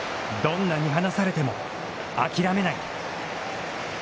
どんなに離されても、諦めない。